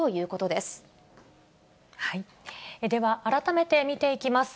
では、改めて見ていきます。